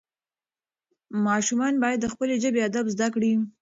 ماشومان باید د خپلې ژبې ادب زده کړي.